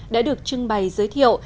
đã được trưng bày giới thiệu